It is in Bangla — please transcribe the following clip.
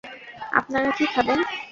আপনারা কী খাবেন?